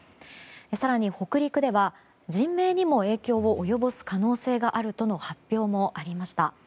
更に北陸では人命にも影響を及ぼす可能性があるとの発表もありました。